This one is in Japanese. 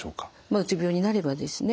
うつ病になればですね